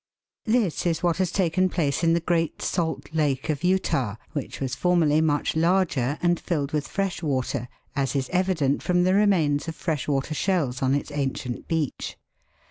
This is what has taken place in the Great Salt Lake of Utah, which was formerly much larger and filled with fresh water, as is evident from the remains of fresh water shells on its ancient beach.